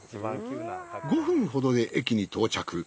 ５分ほどで駅に到着。